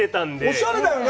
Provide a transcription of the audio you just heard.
おしゃれだよね。